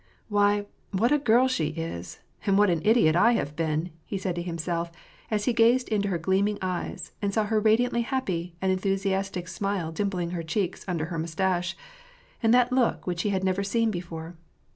" Why ! what a girl she is, and what an idiot I have been, he said to himself, as he gazed into her gleaming eyes, and saw her radiantly happy and enthusiastic smile dimpling her cheeks under her mustache, and that look which he had never seen before.